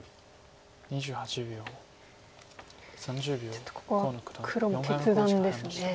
ちょっとここは黒も決断ですね。